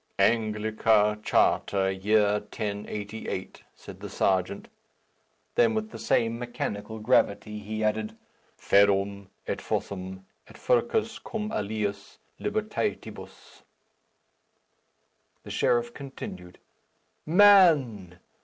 "Anglica Charta, year 1088," said the serjeant. Then with the same mechanical gravity he added, "Ferrum, et fossam, et furcas cum aliis libertatibus." The sheriff continued, "Man!